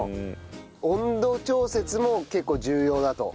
温度調節も結構重要だと？